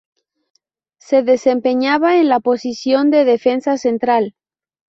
Se desempeñaba en la posición de defensa central.